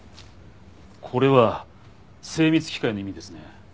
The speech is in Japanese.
これは「精密機械」の意味ですね。